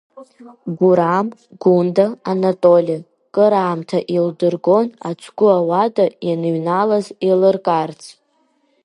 Гурам, Гунда, Анатоли кыраамҭа еилдыргон ацгәы ауада ианыҩналаз еилыркаарц.